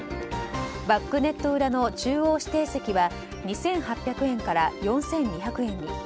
バックネット裏の中央指定席は２８００円から４２００円に。